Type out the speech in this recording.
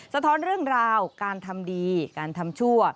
สะท้อนเรื่องราวการทำดีการทำชั่ว